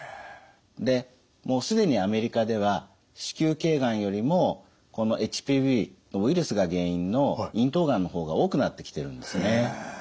でもう既にアメリカでは子宮頸がんよりもＨＰＶのウイルスが原因の咽頭がんの方が多くなってきてるんですね。